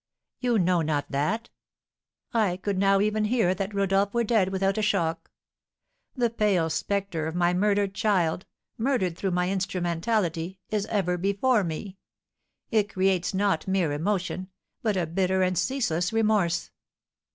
"You know not that " "I could now even hear that Rodolph were dead without a shock. The pale spectre of my murdered child murdered through my instrumentality, is ever before me. It creates not mere emotion, but a bitter and ceaseless remorse.